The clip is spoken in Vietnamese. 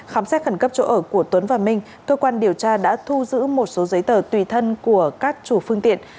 khám xét khẩn cấp chỗ ở của tuấn và minh cơ quan điều tra đã thu giữ một số giấy tờ tùy thân của các chủ phương tiện